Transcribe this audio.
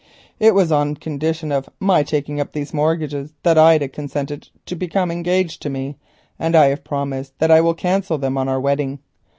"It was on condition of my taking up those mortgages that Ida consented to become engaged to me, and I have promised that I will cancel them on our wedding.